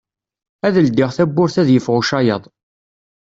Ad ldiɣ tawwurt ad yeffeɣ ucayaḍ.